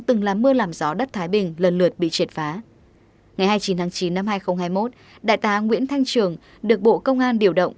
từng làm mưa làm gió đất thái bình lần lượt bị triệt phá ngày hai mươi chín tháng chín năm hai nghìn hai mươi một đại tá nguyễn thanh trường được bộ công an điều động